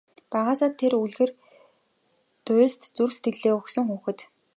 Багаасаа тэр үлгэр туульст зүрх сэтгэлээ өгсөн хүүхэд.